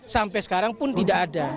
sampai sekarang pun tidak ada